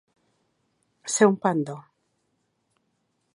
Ser un pendó.